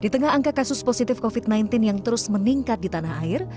di tengah angka kasus positif covid sembilan belas yang terus meningkat di tanah air